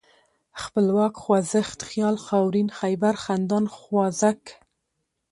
خپلواک ، خوځښت ، خيال ، خاورين ، خيبر ، خندان ، خوازک